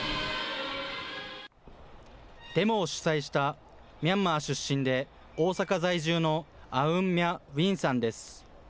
デモを主催したミャンマー出身で、大阪在住のアウン・ミャッ・ウィンさんです。